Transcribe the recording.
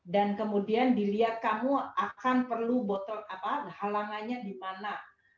dan kemudian dilihat kamu akan perlu botol apa halangannya di mana